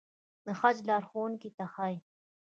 د حج لارښوونکو ته ښايي.